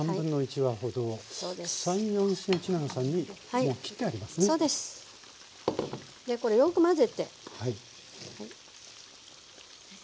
でこれよく混ぜて。